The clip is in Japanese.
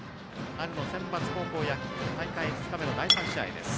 春のセンバツ高校野球大会２日目の第３試合です。